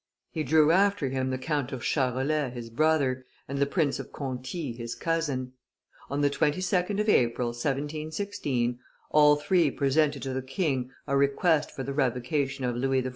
He drew after him the Count of Charolais his brother, and the Prince of Conti his cousin; on the 22d of April, 1716, all three presented to the king a request for the revocation of Louis XIV.